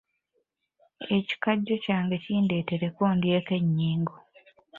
Ekikajjo kyange kindeetereko ndyeko ennyingo.